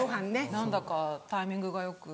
何だかタイミングがよく。